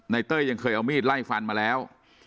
เต้ยยังเคยเอามีดไล่ฟันมาแล้ว